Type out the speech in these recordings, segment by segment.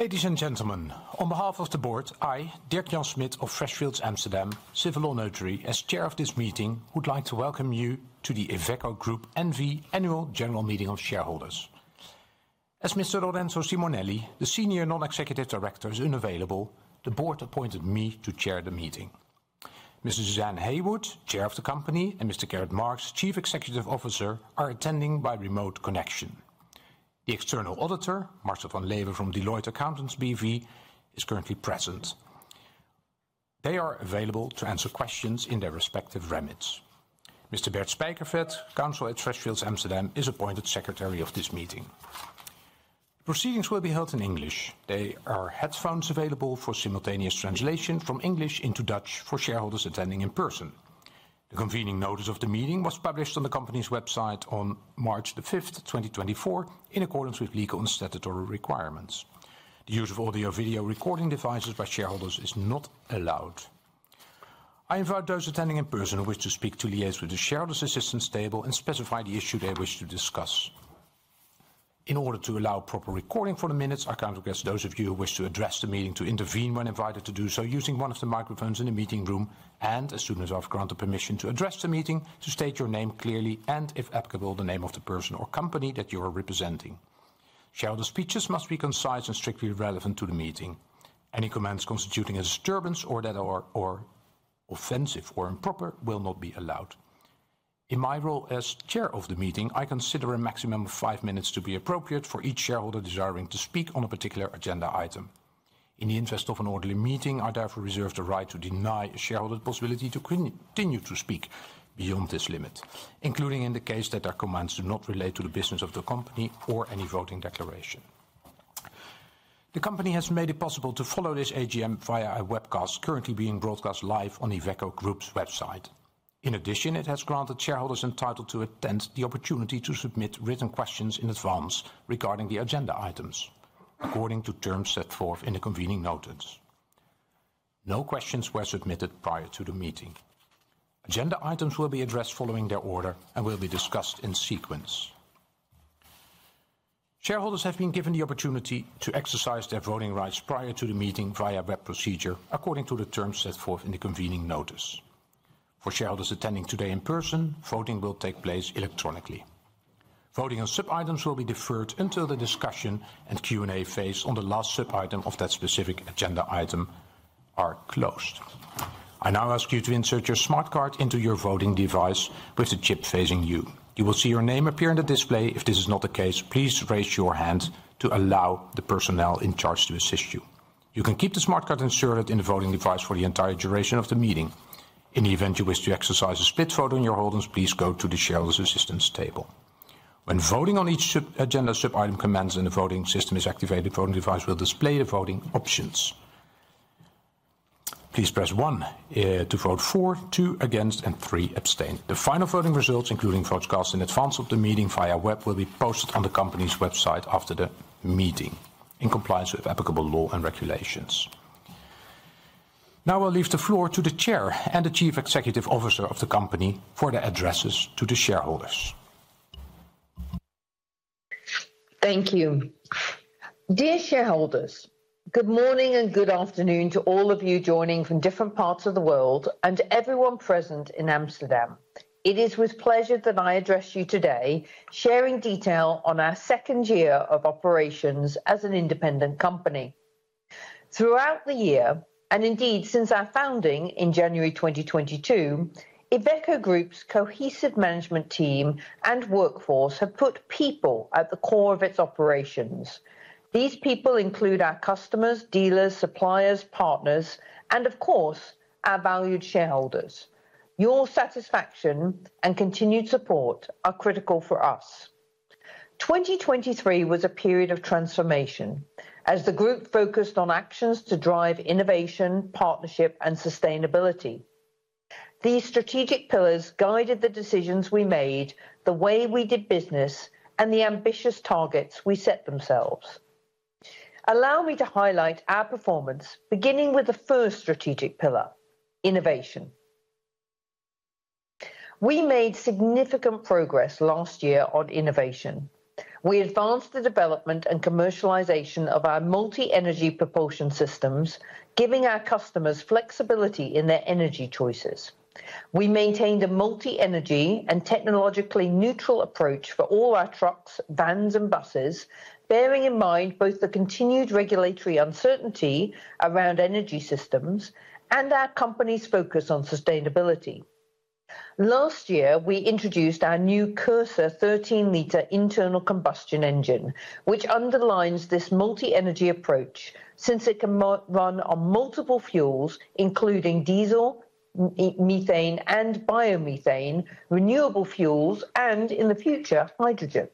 Ladies and gentlemen, on behalf of the board, I, Dirk-Jan Smit of Freshfields Amsterdam, Civil Law Notary, as chair of this meeting would like to welcome you to the Iveco Group N.V. Annual General Meeting of Shareholders. As Mr. Lorenzo Simonelli, the Senior Non-Executive Director, is unavailable, the board appointed me to chair the meeting. Ms. Suzanne Heywood, chair of the company, and Mr. Gerrit Marx, Chief Executive Officer, are attending by remote connection. The External Auditor, Marcel van Leeuwen from Deloitte Accountants B.V., is currently present. They are available to answer questions in their respective remits. Mr. Bert Spijker, Counsel at Freshfields Amsterdam, is appointed Secretary of this meeting. The proceedings will be held in English. There are headphones available for simultaneous translation from English into Dutch for shareholders attending in person. The convening notice of the meeting was published on the company's website on March 5th, 2024, in accordance with legal and statutory requirements. The use of audio-video recording devices by shareholders is not allowed. I invite those attending in person who wish to speak to liaise with the shareholders' assistance table and specify the issue they wish to discuss. In order to allow proper recording for the minutes, I counsel guests, those of you who wish to address the meeting to intervene when invited to do so using one of the microphones in the meeting room and, as soon as I've granted permission to address the meeting, to state your name clearly and, if applicable, the name of the person or company that you are representing. Shareholders' speeches must be concise and strictly relevant to the meeting. Any commands constituting a disturbance or that are offensive or improper will not be allowed. In my role as chair of the meeting, I consider a maximum of five minutes to be appropriate for each shareholder desiring to speak on a particular agenda item. In the interest of an ordinary meeting, I therefore reserve the right to deny a shareholder the possibility to continue to speak beyond this limit, including in the case that their commands do not relate to the business of the company or any voting declaration. The company has made it possible to follow this AGM via a webcast currently being broadcast live on Iveco Group's website. In addition, it has granted shareholders entitled to attend the opportunity to submit written questions in advance regarding the agenda items, according to terms set forth in the convening notice. No questions were submitted prior to the meeting. Agenda items will be addressed following their order and will be discussed in sequence. Shareholders have been given the opportunity to exercise their voting rights prior to the meeting via web procedure, according to the terms set forth in the convening notice. For shareholders attending today in person, voting will take place electronically. Voting on sub-items will be deferred until the discussion and Q&A phase on the last sub-item of that specific agenda item are closed. I now ask you to insert your smart card into your voting device with the chip facing you. You will see your name appear on the display. If this is not the case, please raise your hand to allow the personnel in charge to assist you. You can keep the smart card inserted in the voting device for the entire duration of the meeting. In the event you wish to exercise a split vote on your holdings, please go to the shareholders' assistance table. When voting on each agenda sub-item, and the voting system is activated, the voting device will display the voting options. Please press one to vote for, two against, and three abstain. The final voting results, including votes cast in advance of the meeting via web, will be posted on the company's website after the meeting, in compliance with applicable law and regulations. Now I'll leave the floor to the Chair and the Chief Executive Officer of the company for their addresses to the shareholders. Thank you. Dear shareholders, good morning and good afternoon to all of you joining from different parts of the world and to everyone present in Amsterdam. It is with pleasure that I address you today, sharing detail on our second year of operations as an independent company. Throughout the year, and indeed since our founding in January 2022, Iveco Group's cohesive management team and workforce have put people at the core of its operations. These people include our customers, dealers, suppliers, partners, and, of course, our valued shareholders. Your satisfaction and continued support are critical for us. 2023 was a period of transformation as the group focused on actions to drive innovation, partnership, and sustainability. These strategic pillars guided the decisions we made, the way we did business, and the ambitious targets we set themselves. Allow me to highlight our performance, beginning with the first strategic pillar: innovation. We made significant progress last year on innovation. We advanced the development and commercialization of our multi-energy propulsion systems, giving our customers flexibility in their energy choices. We maintained a multi-energy and technologically neutral approach for all our trucks, vans, and buses, bearing in mind both the continued regulatory uncertainty around energy systems and our company's focus on sustainability. Last year, we introduced our new Cursor 13-liter internal combustion engine, which underlines this multi-energy approach since it can run on multiple fuels, including diesel, methane, and biomethane, renewable fuels, and, in the future, hydrogen.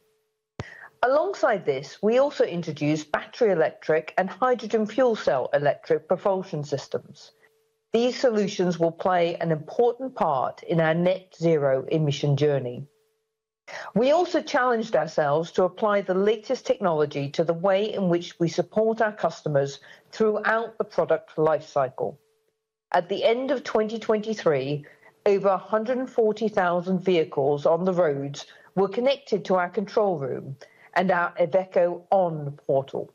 Alongside this, we also introduced battery electric and hydrogen fuel cell electric propulsion systems. These solutions will play an important part in our net-zero emission journey. We also challenged ourselves to apply the latest technology to the way in which we support our customers throughout the product lifecycle. At the end of 2023, over 140,000 vehicles on the roads were connected to our control room and our Iveco ON portal.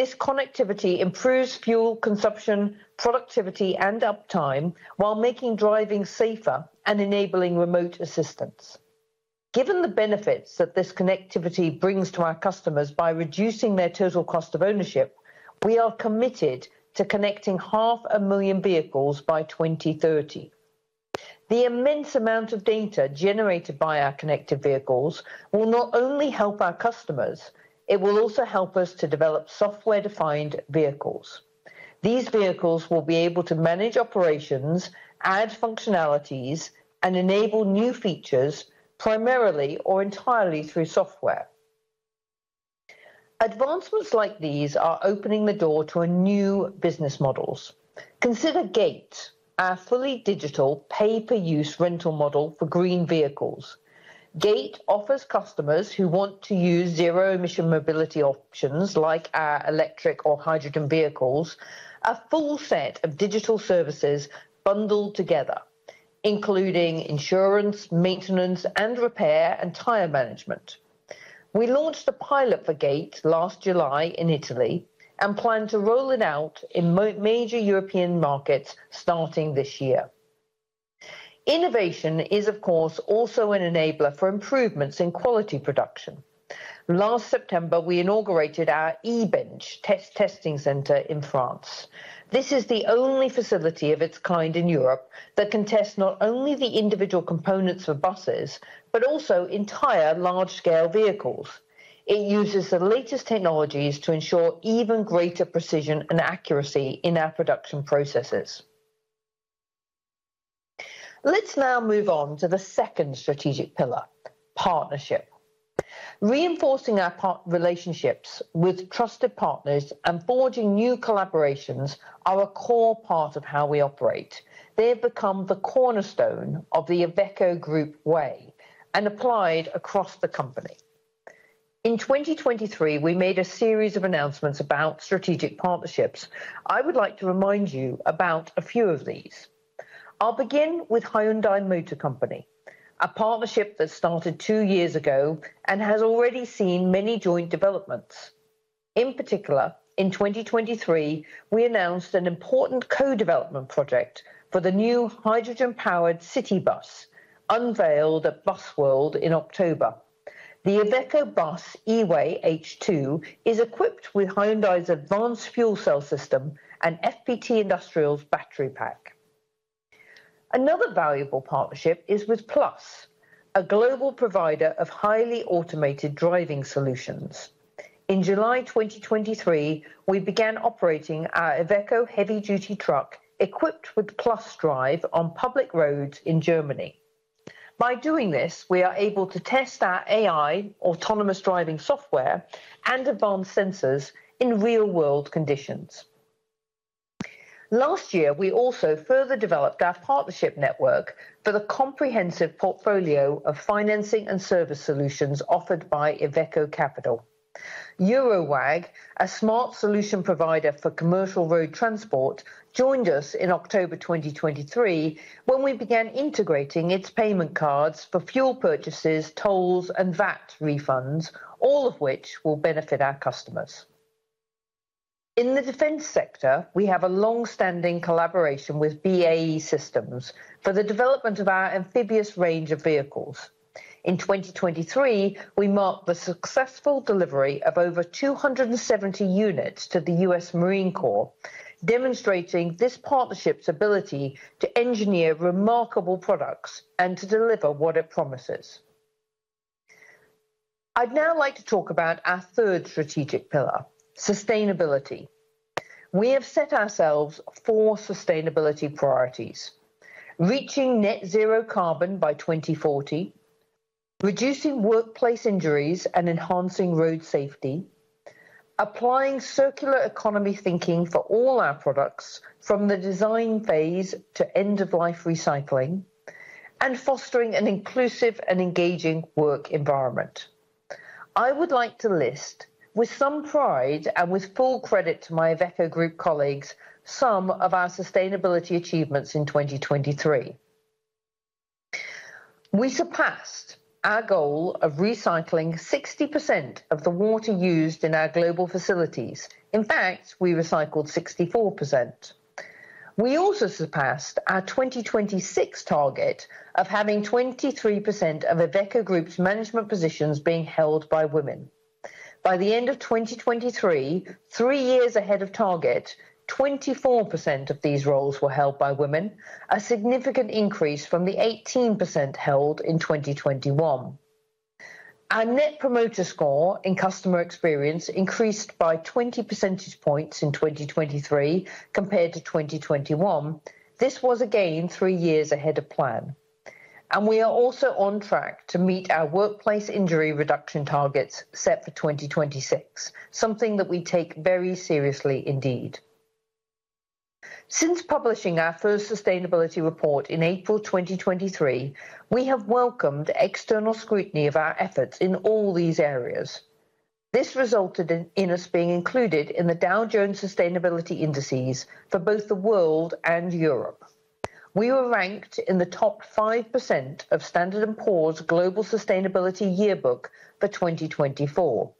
This connectivity improves fuel consumption, productivity, and uptime while making driving safer and enabling remote assistance. Given the benefits that this connectivity brings to our customers by reducing their total cost of ownership, we are committed to connecting 500,000 vehicles by 2030. The immense amount of data generated by our connected vehicles will not only help our customers. It will also help us to develop software-defined vehicles. These vehicles will be able to manage operations, add functionalities, and enable new features primarily or entirely through software. Advancements like these are opening the door to new business models. Consider GATE, our fully digital, pay-per-use rental model for green vehicles. GATE offers customers who want to use zero-emission mobility options like our electric or hydrogen vehicles a full set of digital services bundled together, including insurance, maintenance and repair, and tire management. We launched a pilot for GATE last July in Italy and plan to roll it out in major European markets starting this year. Innovation is, of course, also an enabler for improvements in quality production. Last September, we inaugurated our E-Bench testing center in France. This is the only facility of its kind in Europe that can test not only the individual components of buses but also entire large-scale vehicles. It uses the latest technologies to ensure even greater precision and accuracy in our production processes. Let's now move on to the second strategic pillar: partnership. Reinforcing our relationships with trusted partners and forging new collaborations are a core part of how we operate. They have become the cornerstone of the Iveco Group way and applied across the company. In 2023, we made a series of announcements about strategic partnerships. I would like to remind you about a few of these. I'll begin with Hyundai Motor Company, a partnership that started 2 years ago and has already seen many joint developments. In particular, in 2023, we announced an important co-development project for the new hydrogen-powered city bus, unveiled at Busworld in October. The Iveco Bus E-Way H2 is equipped with Hyundai's advanced fuel cell system and FPT Industrial's battery pack. Another valuable partnership is with Plus, a global provider of highly automated driving solutions. In July 2023, we began operating our Iveco heavy-duty truck equipped with PlusDrive on public roads in Germany. By doing this, we are able to test our AI, autonomous driving software, and advanced sensors in real-world conditions. Last year, we also further developed our partnership network for the comprehensive portfolio of financing and service solutions offered by Iveco Capital. Eurowag, a smart solution provider for commercial road transport, joined us in October 2023 when we began integrating its payment cards for fuel purchases, tolls, and VAT refunds, all of which will benefit our customers. In the defense sector, we have a longstanding collaboration with BAE Systems for the development of our amphibious range of vehicles. In 2023, we marked the successful delivery of over 270 units to the U.S. Marine Corps, demonstrating this partnership's ability to engineer remarkable products and to deliver what it promises. I'd now like to talk about our third strategic pillar: sustainability. We have set ourselves four sustainability priorities: reaching net-zero carbon by 2040, reducing workplace injuries and enhancing road safety, applying circular economy thinking for all our products from the design phase to end-of-life recycling, and fostering an inclusive and engaging work environment. I would like to list, with some pride and with full credit to my Iveco Group colleagues, some of our sustainability achievements in 2023. We surpassed our goal of recycling 60% of the water used in our global facilities. In fact, we recycled 64%. We also surpassed our 2026 target of having 23% of Iveco Group's management positions being held by women. By the end of 2023, three years ahead of target, 24% of these roles were held by women, a significant increase from the 18% held in 2021. Our net promoter score in customer experience increased by 20 percentage points in 2023 compared to 2021. This was a gain three years ahead of plan. We are also on track to meet our workplace injury reduction targets set for 2026, something that we take very seriously indeed. Since publishing our first sustainability report in April 2023, we have welcomed external scrutiny of our efforts in all these areas. This resulted in us being included in the Dow Jones Sustainability Indices for both the world and Europe. We were ranked in the top 5% of S&P Global Sustainability Yearbook for 2024.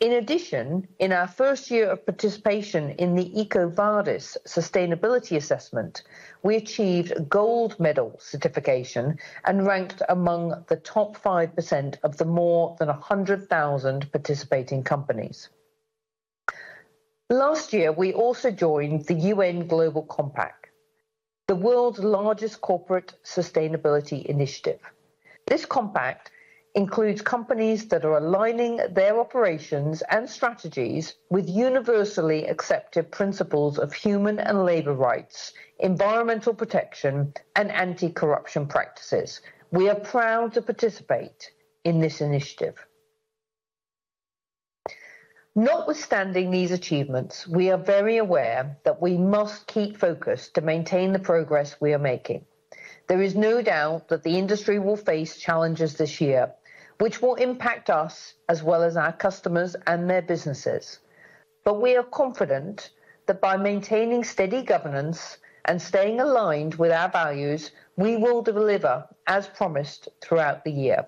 In addition, in our first year of participation in the EcoVadis Sustainability Assessment, we achieved gold medal certification and ranked among the top 5% of the more than 100,000 participating companies. Last year, we also joined the UN Global Compact, the world's largest corporate sustainability initiative. This compact includes companies that are aligning their operations and strategies with universally accepted principles of human and labor rights, environmental protection, and anti-corruption practices. We are proud to participate in this initiative. Notwithstanding these achievements, we are very aware that we must keep focused to maintain the progress we are making. There is no doubt that the industry will face challenges this year, which will impact us as well as our customers and their businesses. We are confident that by maintaining steady governance and staying aligned with our values, we will deliver as promised throughout the year.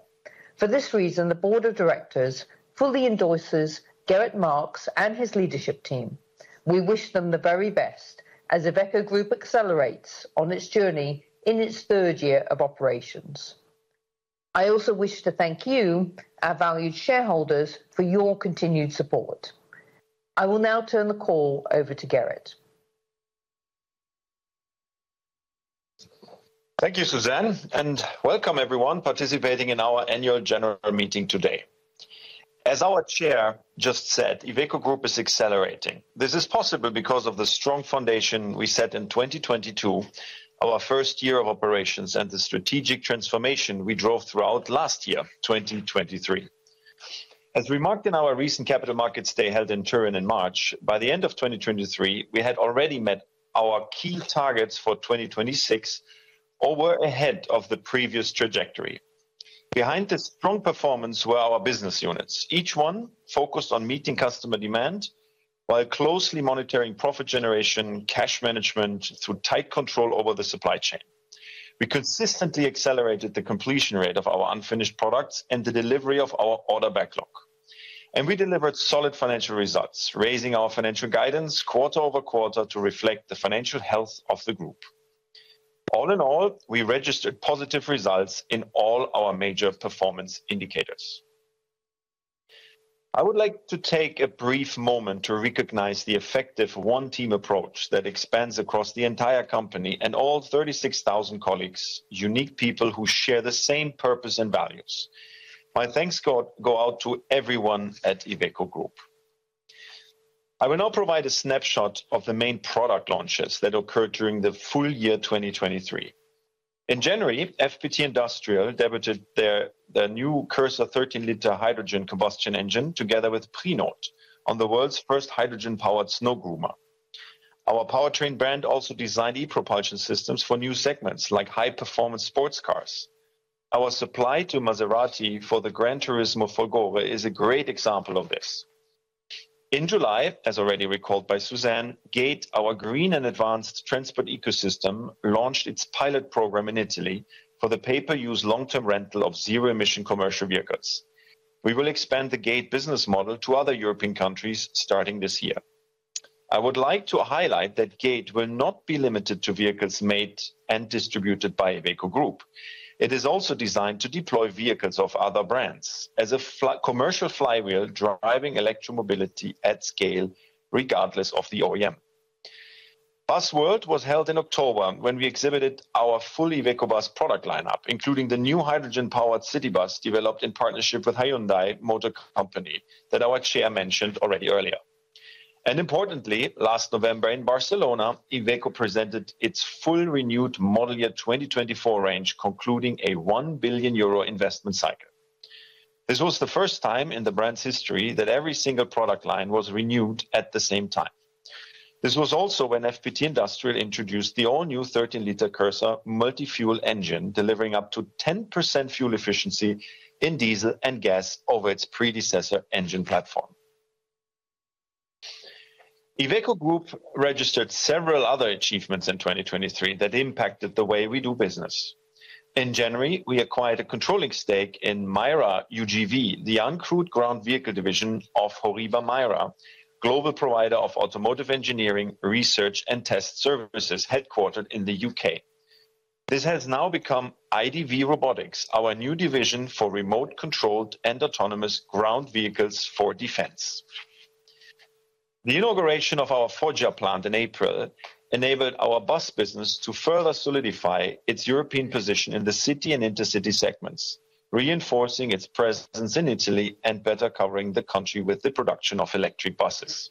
For this reason, the board of directors fully endorses Gerrit Marx and his leadership team. We wish them the very best as Iveco Group accelerates on its journey in its third year of operations. I also wish to thank you, our valued shareholders, for your continued support. I will now turn the call over to Gerrit. Thank you, Suzanne, and welcome, everyone, participating in our annual general meeting today. As our chair just said, Iveco Group is accelerating. This is possible because of the strong foundation we set in 2022, our first year of operations, and the strategic transformation we drove throughout last year, 2023. As remarked in our recent Capital Markets Day held in Turin in March, by the end of 2023, we had already met our key targets for 2026, over ahead of the previous trajectory. Behind this strong performance were our business units, each one focused on meeting customer demand while closely monitoring profit generation, cash management, through tight control over the supply chain. We consistently accelerated the completion rate of our unfinished products and the delivery of our order backlog. We delivered solid financial results, raising our financial guidance quarter-over-quarter to reflect the financial health of the group. All in all, we registered positive results in all our major performance indicators. I would like to take a brief moment to recognize the effective one-team approach that expands across the entire company and all 36,000 colleagues, unique people who share the same purpose and values. My thanks go out to everyone at Iveco Group. I will now provide a snapshot of the main product launches that occurred during the full year 2023. In January, FPT Industrial debuted their new Cursor 13-liter hydrogen combustion engine together with Prinoth on the world's first hydrogen-powered snow groomer. Our powertrain brand also designed e-propulsion systems for new segments like high-performance sports cars. Our supply to Maserati for the GranTurismo Folgore is a great example of this. In July, as already recalled by Suzanne, GATE, our green and advanced transport ecosystem, launched its pilot program in Italy for the pay-per-use long-term rental of zero-emission commercial vehicles. We will expand the GATE business model to other European countries starting this year. I would like to highlight that GATE will not be limited to vehicles made and distributed by Iveco Group. It is also designed to deploy vehicles of other brands as a commercial flywheel driving electromobility at scale, regardless of the OEM. Busworld was held in October when we exhibited our full Iveco Bus product lineup, including the new hydrogen-powered city bus developed in partnership with Hyundai Motor Company that our chair mentioned already earlier. Importantly, last November in Barcelona, Iveco presented its full renewed model year 2024 range, concluding a 1 billion euro investment cycle. This was the first time in the brand's history that every single product line was renewed at the same time. This was also when FPT Industrial introduced the all-new 13-liter Cursor multifuel engine, delivering up to 10% fuel efficiency in diesel and gas over its predecessor engine platform. Iveco Group registered several other achievements in 2023 that impacted the way we do business. In January, we acquired a controlling stake in MIRA UGV, the uncrewed ground vehicle division of HORIBA MIRA, global provider of automotive engineering, research, and test services headquartered in the U.K. This has now become IDV Robotics, our new division for remote-controlled and autonomous ground vehicles for defense. The inauguration of our Foggia plant in April enabled our bus business to further solidify its European position in the city and intercity segments, reinforcing its presence in Italy and better covering the country with the production of electric buses.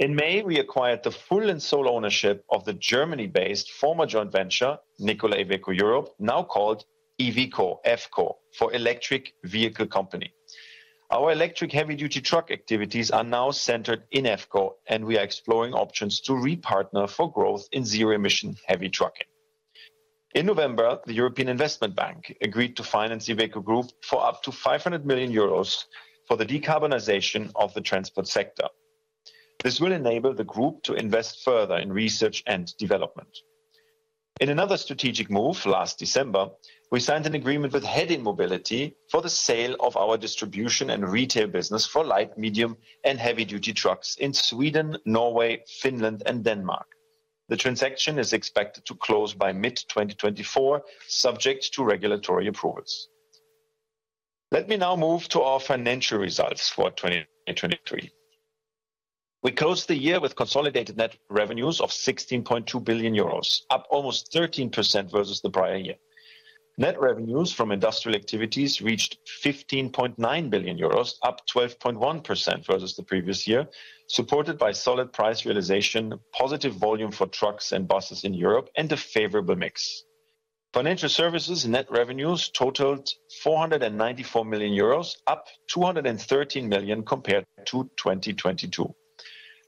In May, we acquired the full and sole ownership of the Germany-based former joint venture Nikola Iveco Europe, now called EVCO for Electric Vehicle Company. Our electric heavy-duty truck activities are now centered in EVCO, and we are exploring options to repartner for growth in zero-emission heavy trucking. In November, the European Investment Bank agreed to finance Iveco Group for up to 500 million euros for the decarbonization of the transport sector. This will enable the group to invest further in research and development. In another strategic move, last December, we signed an agreement with Hedin Mobility for the sale of our distribution and retail business for light, medium, and heavy-duty trucks in Sweden, Norway, Finland, and Denmark. The transaction is expected to close by mid-2024, subject to regulatory approvals. Let me now move to our financial results for 2023. We closed the year with consolidated net revenues of 16.2 billion euros, up almost 13% versus the prior year. Net revenues from industrial activities reached 15.9 billion euros, up 12.1% versus the previous year, supported by solid price realization, positive volume for trucks and buses in Europe, and a favorable mix. Financial services net revenues totaled 494 million euros, up 213 million compared to 2022.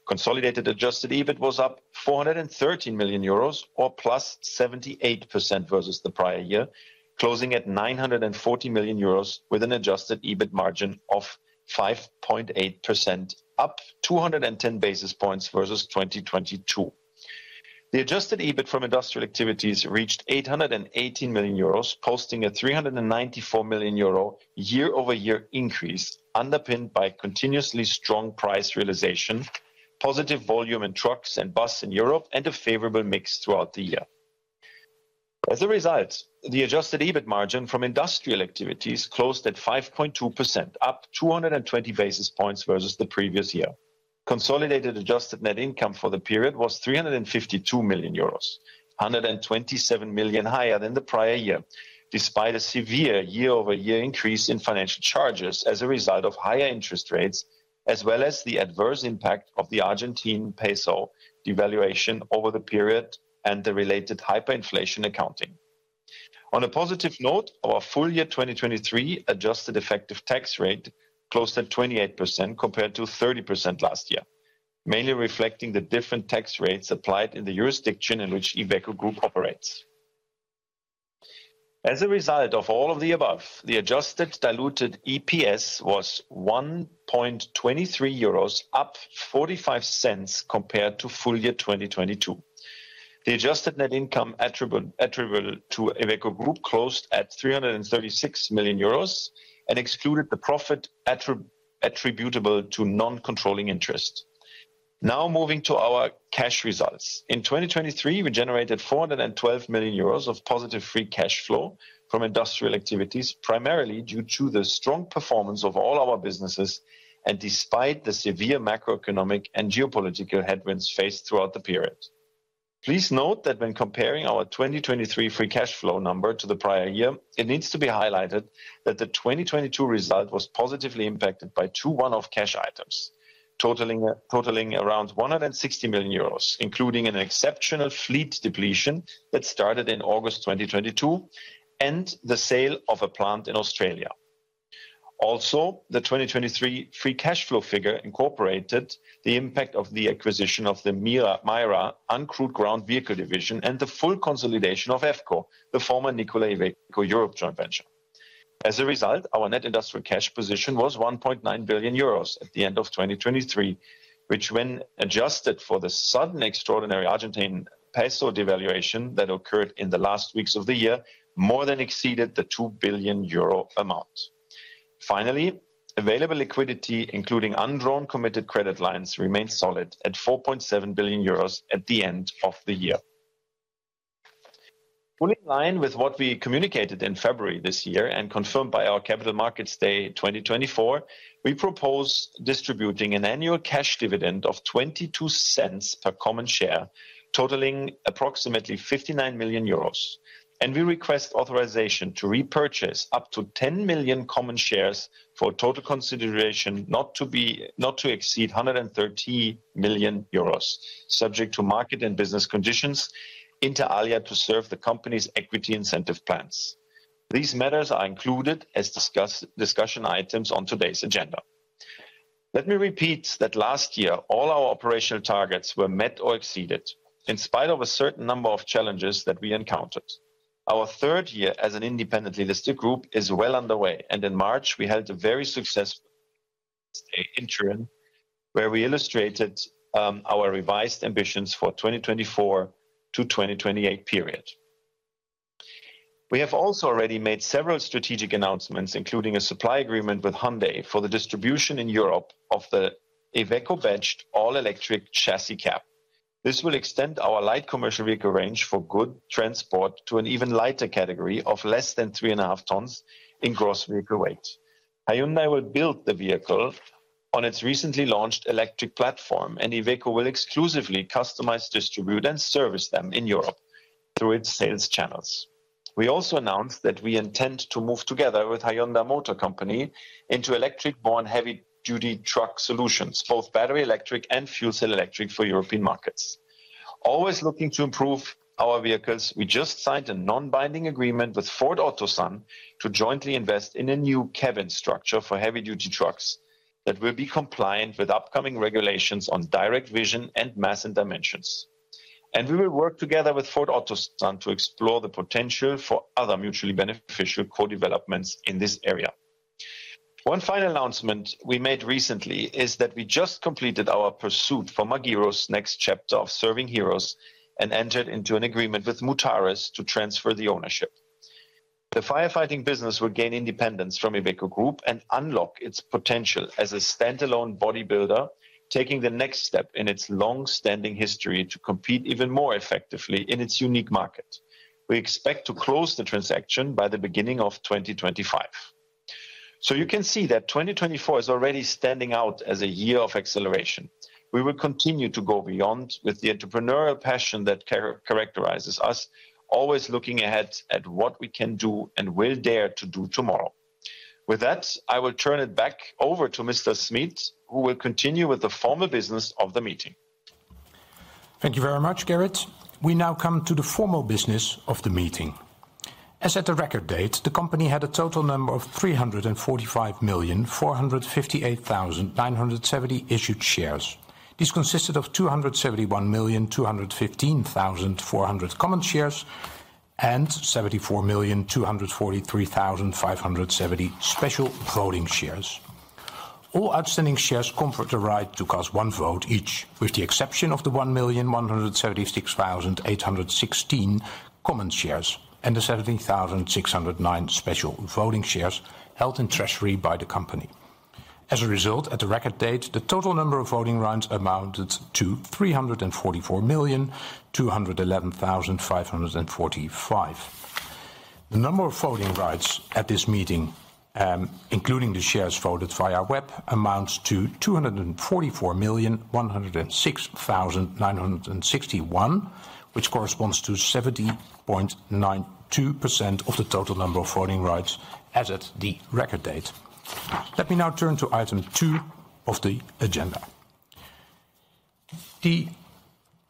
Consolidated adjusted EBIT was up 413 million euros, or plus 78% versus the prior year, closing at 940 million euros with an adjusted EBIT margin of 5.8%, up 210 basis points versus 2022. The adjusted EBIT from industrial activities reached 818 million euros, posting a 394 million euro year-over-year increase underpinned by continuously strong price realization, positive volume in trucks and buses in Europe, and a favorable mix throughout the year. As a result, the adjusted EBIT margin from industrial activities closed at 5.2%, up 220 basis points versus the previous year. Consolidated adjusted net income for the period was 352 million euros, 127 million higher than the prior year, despite a severe year-over-year increase in financial charges as a result of higher interest rates as well as the adverse impact of the Argentine peso devaluation over the period and the related hyperinflation accounting. On a positive note, our full year 2023 adjusted effective tax rate closed at 28% compared to 30% last year, mainly reflecting the different tax rates applied in the jurisdiction in which Iveco Group operates. As a result of all of the above, the adjusted diluted EPS was 1.23 euros, up 0.0045 compared to full year 2022. The adjusted net income attributable to Iveco Group closed at 336 million euros and excluded the profit attributable to non-controlling interest. Now moving to our cash results. In 2023, we generated 412 million euros of positive free cash flow from industrial activities, primarily due to the strong performance of all our businesses and despite the severe macroeconomic and geopolitical headwinds faced throughout the period. Please note that when comparing our 2023 free cash flow number to the prior year, it needs to be highlighted that the 2022 result was positively impacted by two one-off cash items, totaling around 160 million euros, including an exceptional fleet depletion that started in August 2022 and the sale of a plant in Australia. Also, the 2023 free cash flow figure incorporated the impact of the acquisition of the MIRA uncrewed ground vehicle division and the full consolidation of EVCO, the former Nikola Iveco Europe joint venture. As a result, our net industrial cash position was 1.9 billion euros at the end of 2023, which, when adjusted for the sudden extraordinary Argentine peso devaluation that occurred in the last weeks of the year, more than exceeded the 2 billion euro amount. Finally, available liquidity, including undrawn committed credit lines, remained solid at 4.7 billion euros at the end of the year. Fully in line with what we communicated in February this year and confirmed by our Capital Markets Day 2024, we propose distributing an annual cash dividend of 0.22 per common share, totaling approximately 59 million euros. We request authorization to repurchase up to 10 million common shares for total consideration not to exceed 113 million euros, subject to market and business conditions inter alia to serve the company's equity incentive plans. These matters are included as discussion items on today's agenda. Let me repeat that last year, all our operational targets were met or exceeded in spite of a certain number of challenges that we encountered. Our third year as an independently listed group is well underway. In March, we held a very successful investment day in Turin where we illustrated our revised ambitions for the 2024 to 2028 period. We have also already made several strategic announcements, including a supply agreement with Hyundai for the distribution in Europe of the Iveco-badged all-electric chassis cab. This will extend our light commercial vehicle range for good transport to an even lighter category of less than 3.5 tons in gross vehicle weight. Hyundai will build the vehicle on its recently launched electric platform, and Iveco will exclusively customize, distribute, and service them in Europe through its sales channels. We also announced that we intend to move together with Hyundai Motor Company into electric-born heavy-duty truck solutions, both battery electric and fuel cell electric for European markets. Always looking to improve our vehicles, we just signed a non-binding agreement with Ford Otosan to jointly invest in a new cabin structure for heavy-duty trucks that will be compliant with upcoming regulations on direct vision and mass and dimensions. We will work together with Ford Otosan to explore the potential for other mutually beneficial co-developments in this area. One final announcement we made recently is that we just completed our pursuit for Magirus's next chapter of serving heroes and entered into an agreement with Mutares to transfer the ownership. The firefighting business will gain independence from Iveco Group and unlock its potential as a standalone bodybuilder, taking the next step in its longstanding history to compete even more effectively in its unique market. We expect to close the transaction by the beginning of 2025. So you can see that 2024 is already standing out as a year of acceleration. We will continue to go beyond with the entrepreneurial passion that characterizes us, always looking ahead at what we can do and will dare to do tomorrow. With that, I will turn it back over to Mr. Smit, who will continue with the formal business of the meeting. Thank you very much, Gerrit. We now come to the formal business of the meeting. As at the record date, the company had a total number of 345,458,970 issued shares. These consisted of 271,215,400 common shares and 74,243,570 special voting shares. All outstanding shares confer a right to cast one vote each, with the exception of the 1,176,816 common shares and the 70,609 special voting shares held in treasury by the company. As a result, at the record date, the total number of voting rights amounted to 344,211,545. The number of voting rights at this meeting, including the shares voted via web, amounts to 244,106,961, which corresponds to 70.92% of the total number of voting rights as at the record date. Let me now turn to item two of the agenda. The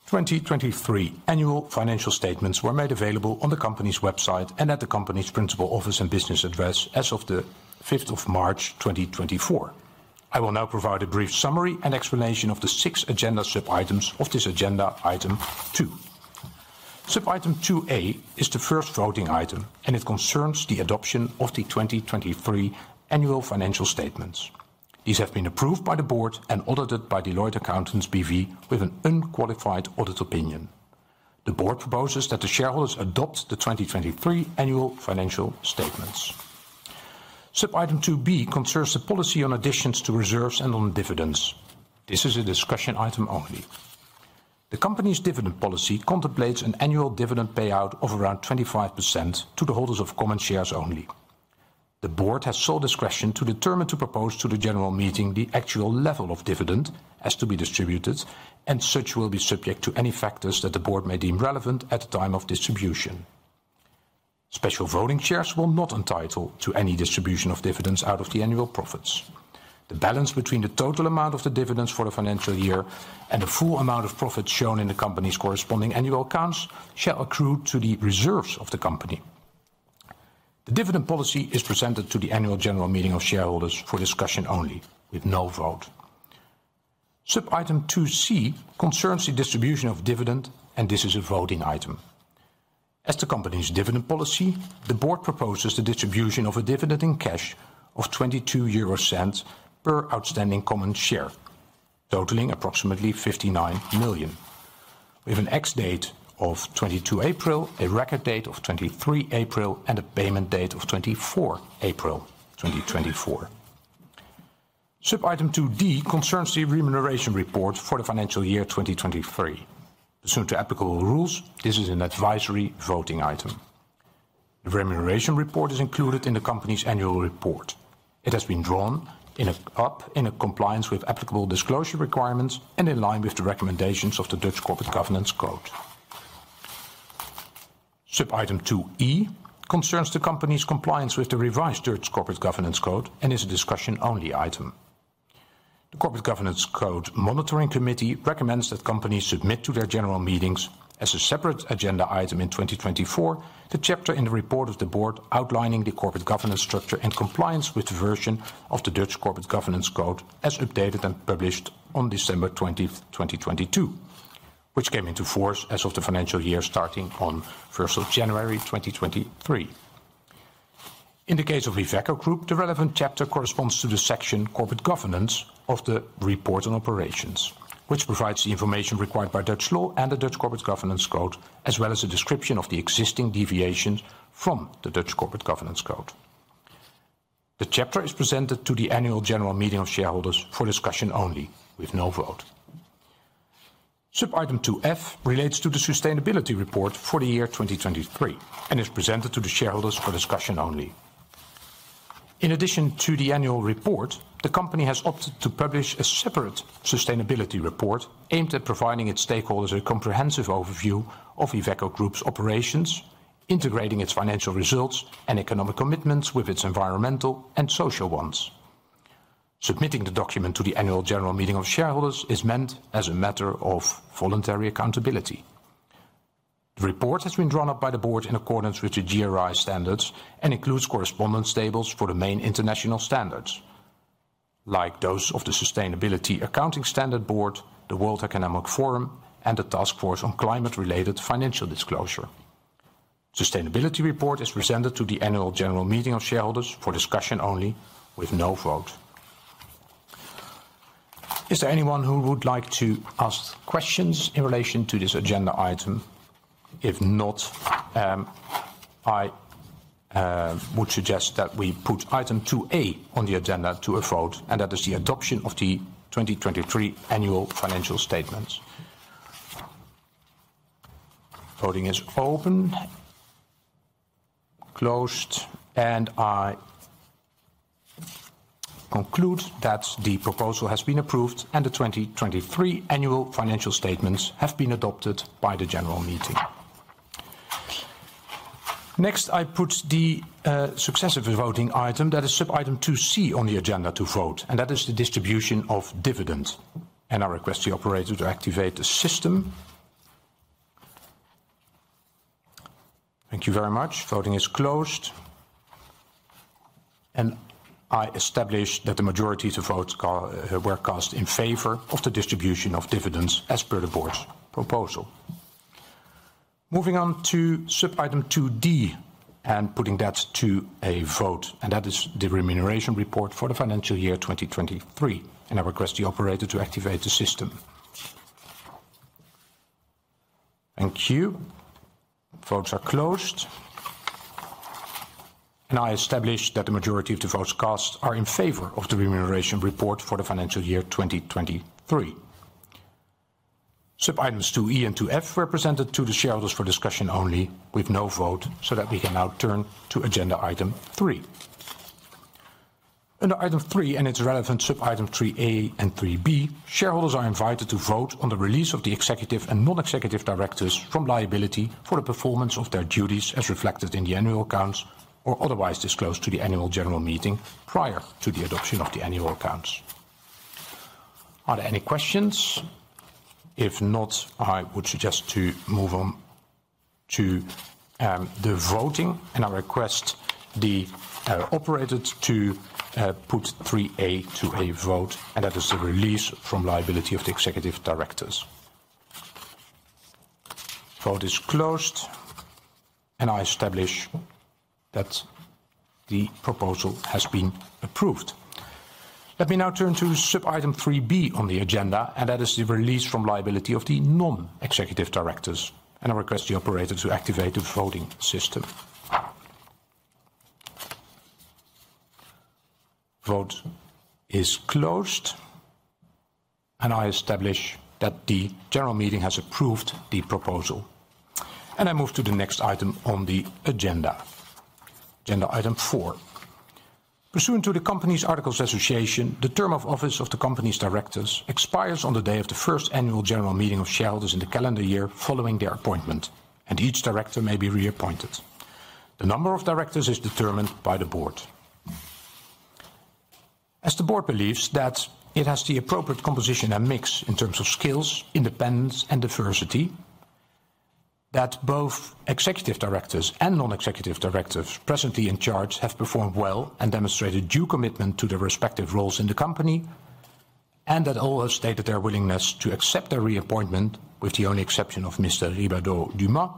2023 annual financial statements were made available on the company's website and at the company's principal office and business address as of the 5th of March, 2024. I will now provide a brief summary and explanation of the six agenda sub-items of this agenda item two. Sub-item 2A is the first voting item, and it concerns the adoption of the 2023 annual financial statements. These have been approved by the board and audited by Deloitte Accountants B.V. with an unqualified audit opinion. The board proposes that the shareholders adopt the 2023 annual financial statements. Sub-item 2B concerns the policy on additions to reserves and on dividends. This is a discussion item only. The company's dividend policy contemplates an annual dividend payout of around 25% to the holders of common shares only. The board has sole discretion to determine to propose to the general meeting the actual level of dividend as to be distributed, and such will be subject to any factors that the board may deem relevant at the time of distribution. Special voting shares will not entitle to any distribution of dividends out of the annual profits. The balance between the total amount of the dividends for the financial year and the full amount of profits shown in the company's corresponding annual accounts shall accrue to the reserves of the company. The dividend policy is presented to the annual general meeting of shareholders for discussion only, with no vote. Sub-item 2C concerns the distribution of dividend, and this is a voting item. As the company's dividend policy, the board proposes the distribution of a dividend in cash of 0.22 per outstanding common share, totaling approximately 59 million, with an ex-date of 22 April, a record date of 23 April, and a payment date of 24 April 2024. Sub-item 2D concerns the remuneration report for the financial year 2023. Pursuant to applicable rules, this is an advisory voting item. The remuneration report is included in the company's annual report. It has been drawn up in compliance with applicable disclosure requirements and in line with the recommendations of the Dutch Corporate Governance Code. Sub-item 2E concerns the company's compliance with the revised Dutch Corporate Governance Code and is a discussion-only item. The Corporate Governance Code Monitoring Committee recommends that companies submit to their general meetings, as a separate agenda item in 2024, the chapter in the report of the board outlining the corporate governance structure and compliance with the version of the Dutch Corporate Governance Code as updated and published on December 20th, 2022, which came into force as of the financial year starting on 1st of January, 2023. In the case of Iveco Group, the relevant chapter corresponds to the section Corporate Governance of the report on operations, which provides the information required by Dutch law and the Dutch Corporate Governance Code, as well as a description of the existing deviations from the Dutch Corporate Governance Code. The chapter is presented to the annual general meeting of shareholders for discussion only, with no vote. Sub-item 2F relates to the sustainability report for the year 2023 and is presented to the shareholders for discussion only. In addition to the annual report, the company has opted to publish a separate sustainability report aimed at providing its stakeholders a comprehensive overview of Iveco Group's operations, integrating its financial results and economic commitments with its environmental and social ones. Submitting the document to the annual general meeting of shareholders is meant as a matter of voluntary accountability. The report has been drawn up by the board in accordance with the GRI Standards and includes correspondence tables for the main international standards, like those of the Sustainability Accounting Standards Board, the World Economic Forum, and the Task Force on Climate-Related Financial Disclosures. The sustainability report is presented to the annual general meeting of shareholders for discussion only, with no vote. Is there anyone who would like to ask questions in relation to this agenda item? If not, I would suggest that we put item 2A on the agenda to a vote and that is the adoption of the 2023 annual financial statements. Voting is open. Closed. I conclude that the proposal has been approved and the 2023 annual financial statements have been adopted by the general meeting. Next, I put the successive voting item, that is sub-item 2C, on the agenda to vote, and that is the distribution of dividends. I request the operator to activate the system. Thank you very much. Voting is closed. I establish that the majority to vote were cast in favor of the distribution of dividends as per the board's proposal. Moving on to sub-item 2D and putting that to a vote, and that is the remuneration report for the financial year 2023. I request the operator to activate the system. Thank you. Votes are closed. I establish that the majority of the votes cast are in favor of the remuneration report for the financial year 2023. Sub-items 2E and 2F were presented to the shareholders for discussion only, with no vote, so that we can now turn to agenda item three. Under item three and its relevant sub-items 3A and 3B, shareholders are invited to vote on the release of the executive and non-executive directors from liability for the performance of their duties as reflected in the annual accounts or otherwise disclosed to the annual general meeting prior to the adoption of the annual accounts. Are there any questions? If not, I would suggest to move on to the voting. I request the operator to put 3A to a vote, and that is the release from liability of the executive directors. Vote is closed. I establish that the proposal has been approved. Let me now turn to sub-item 3B on the agenda, and that is the release from liability of the non-executive directors. I request the operator to activate the voting system. Vote is closed. I establish that the general meeting has approved the proposal. I move to the next item on the agenda, agenda item four. Pursuant to the company's Articles of Association, the term of office of the company's directors expires on the day of the first annual general meeting of shareholders in the calendar year following their appointment, and each director may be reappointed. The number of directors is determined by the board. As the board believes that it has the appropriate composition and mix in terms of skills, independence, and diversity, that both executive directors and non-executive directors presently in charge have performed well and demonstrated due commitment to their respective roles in the company, and that all have stated their willingness to accept their reappointment with the only exception of [Garbled Name],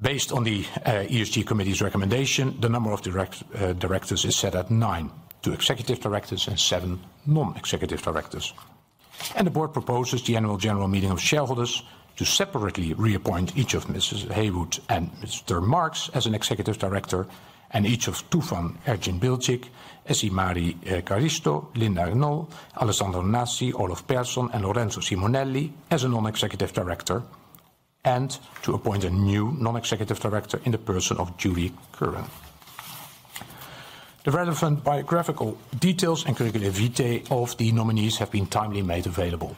based on the ESG committee's recommendation, the number of directors is set at nine, two executive directors and seven non-executive directors. The board proposes the annual general meeting of shareholders to separately reappoint each of Mrs. Heywood and Mr. Marx as an executive director and each of Tufan Erginbilgic as Essimari Kairisto, Linda Knoll, Alessandro Nasi, Olof Persson, and Lorenzo Simonelli as a non-executive director, and to appoint a new non-executive director in the person of Judy Curran. The relevant biographical details and curricula vitae of the nominees have been timely made available.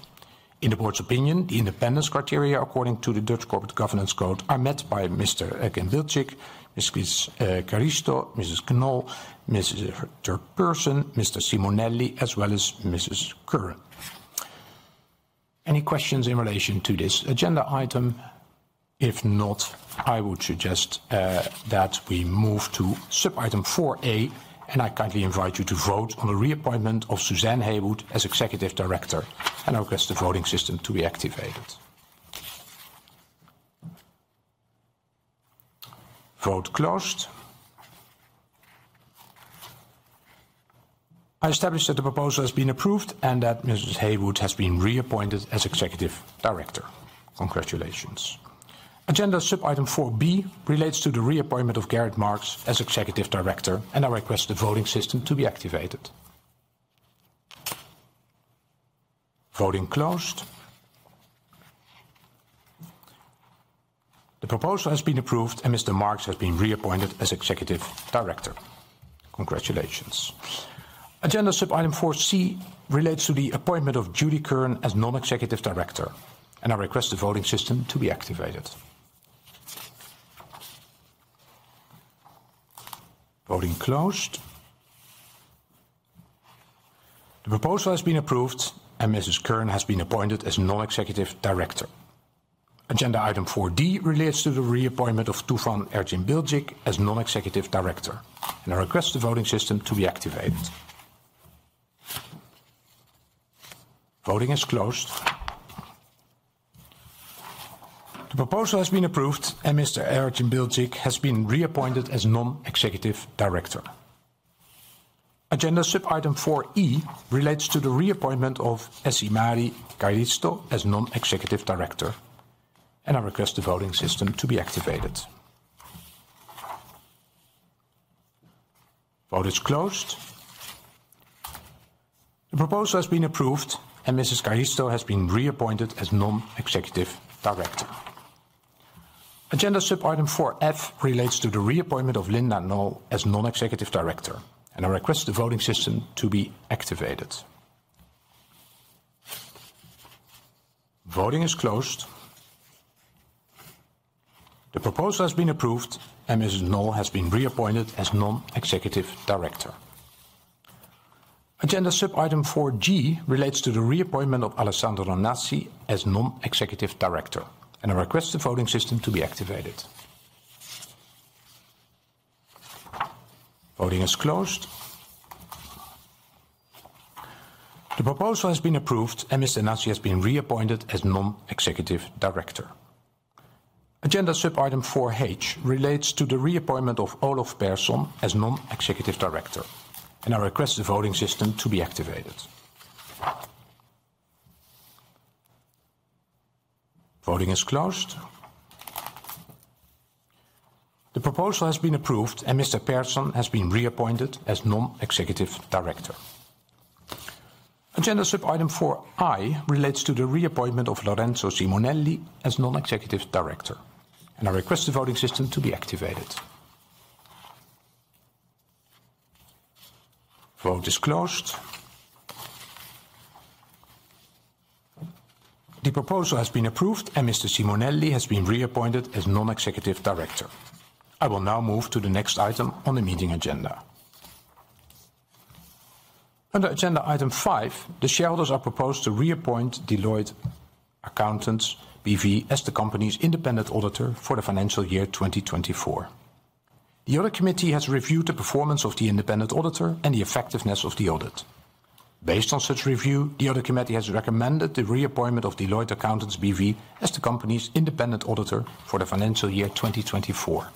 In the board's opinion, the independence criteria according to the Dutch Corporate Governance Code are met by Mr. Erginbilgic, Mrs. Kairisto, Mrs. Knoll, Mr. Persson, Mr. Simonelli, as well as Mrs. Curran. Any questions in relation to this agenda item? If not, I would suggest that we move to sub-item 4A, and I kindly invite you to vote on the reappointment of Suzanne Heywood as executive director. I request the voting system to be activated. Vote closed. I establish that the proposal has been approved and that Mrs. Heywood has been reappointed as Executive Director. Congratulations. Agenda sub-item 4B relates to the reappointment of Gerrit Marx as Executive Director, and I request the voting system to be activated. Voting closed. The proposal has been approved, and Mr. Marx has been reappointed as Executive Director. Congratulations. Agenda sub-item 4C relates to the appointment of Judy Curran as Non-Executive Director, and I request the voting system to be activated. Voting closed. The proposal has been approved, and Mrs. Curran has been appointed as Non-Executive Director. Agenda item 4D relates to the reappointment of Tufan Erginbilgic as Non-Executive Director, and I request the voting system to be activated. Voting is closed. The proposal has been approved, and Mr. Erginbilgic has been reappointed as Non-Executive Director. Agenda sub-item 4E relates to the reappointment of Essimari Kairisto as Non-Executive Director, and I request the voting system to be activated. Vote is closed. The proposal has been approved, and Mrs. Kairisto has been reappointed as Non-Executive Director. Agenda sub-item 4F relates to the reappointment of Linda Knoll as Non-Executive Director, and I request the voting system to be activated. Voting is closed. The proposal has been approved, and Mrs. Knoll has been reappointed as Non-Executive Director. Agenda sub-item 4G relates to the reappointment of Alessandro Nasi as Non-Executive Director, and I request the voting system to be activated. Voting is closed. The proposal has been approved, and Mr. Nasi has been reappointed as Non-Executive Director. Agenda sub-item 4H relates to the reappointment of Olof Persson as Non-Executive Director, and I request the voting system to be activated. Voting is closed. The proposal has been approved, and Mr. Persson has been reappointed as Non-Executive Director. Agenda sub-item 4I relates to the reappointment of Lorenzo Simonelli as Non-Executive Director, and I request the voting system to be activated. Vote is closed. The proposal has been approved, and Mr. Simonelli has been reappointed as Non-Executive Director. I will now move to the next item on the meeting agenda. Under agenda item five, the shareholders are proposed to reappoint Deloitte Accountants B.V. as the company's independent auditor for the financial year 2024. The audit committee has reviewed the performance of the independent auditor and the effectiveness of the audit. Based on such review, the audit committee has recommended the reappointment of Deloitte Accountants B.V. as the company's independent auditor for the financial year 2024.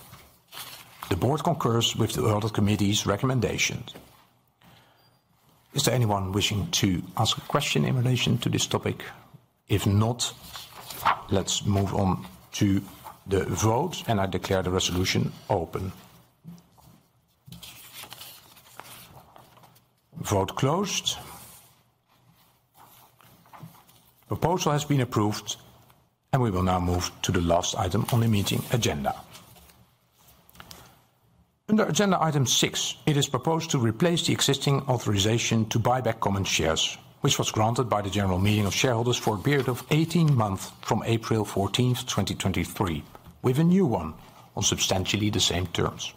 The board concurs with the audit committee's recommendations. Is there anyone wishing to ask a question in relation to this topic? If not, let's move on to the vote, and I declare the resolution open. Vote closed. The proposal has been approved, and we will now move to the last item on the meeting agenda. Under agenda item six, it is proposed to replace the existing authorization to buy back common shares, which was granted by the general meeting of shareholders for a period of 18 months from April 14th, 2023, with a new one on substantially the same terms.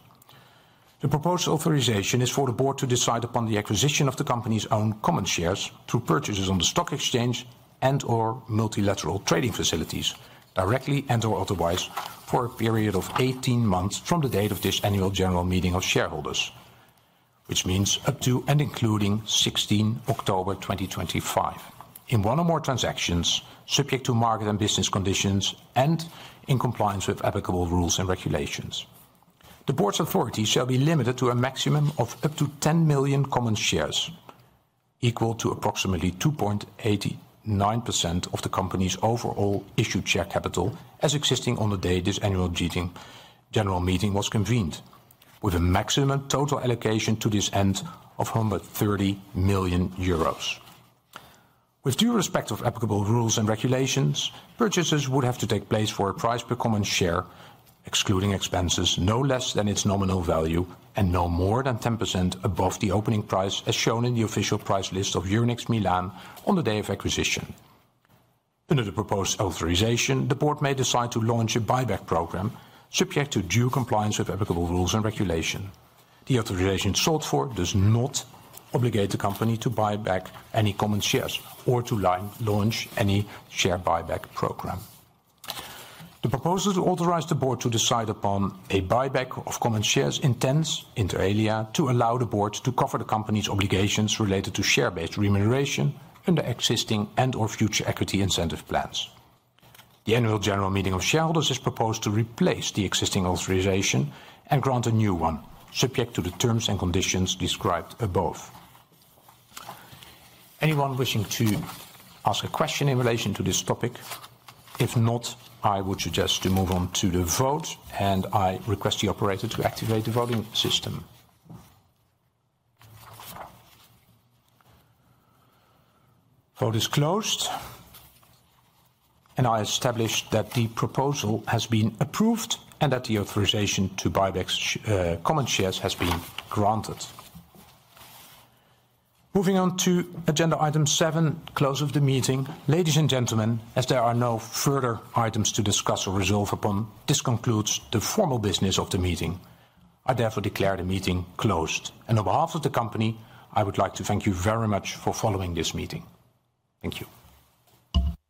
The proposed authorization is for the board to decide upon the acquisition of the company's own common shares through purchases on the stock exchange and/or multilateral trading facilities directly and/or otherwise for a period of 18 months from the date of this annual general meeting of shareholders, which means up to and including 16 October 2025, in one or more transactions subject to market and business conditions and in compliance with applicable rules and regulations. The board's authority shall be limited to a maximum of up to 10 million common shares, equal to approximately 2.89% of the company's overall issued share capital as existing on the day this annual general meeting was convened, with a maximum total allocation to this end of 130 million euros. With due respect to applicable rules and regulations, purchases would have to take place for a price per common share, excluding expenses, no less than its nominal value, and no more than 10% above the opening price as shown in the official price list of Euronext Milan on the day of acquisition. Under the proposed authorization, the board may decide to launch a buyback program subject to due compliance with applicable rules and regulations. The authorization sought for does not obligate the company to buy back any common shares or to launch any share buyback program. The proposal to authorize the board to decide upon a buyback of common shares intends inter alia to allow the board to cover the company's obligations related to share-based remuneration under existing and/or future equity incentive plans. The annual general meeting of shareholders is proposed to replace the existing authorization and grant a new one subject to the terms and conditions described above. Anyone wishing to ask a question in relation to this topic? If not, I would suggest to move on to the vote, and I request the operator to activate the voting system. Vote is closed. I establish that the proposal has been approved and that the authorization to buy back common shares has been granted. Moving on to agenda item seven, close of the meeting. Ladies and gentlemen, as there are no further items to discuss or resolve upon, this concludes the formal business of the meeting. I therefore declare the meeting closed. On behalf of the company, I would like to thank you very much for following this meeting. Thank you.